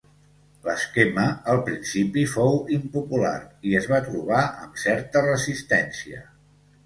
L'esquema al principi fou impopular i es va trobar amb certa resistència.